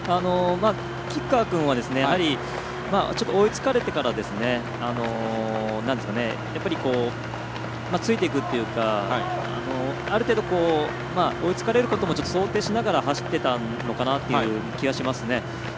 吉川君はやはり、追いつかれてからついていくっていうかある程度、追いつかれることも想定しながら走っていたのかなという気がしますね。